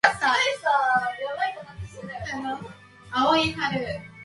青い春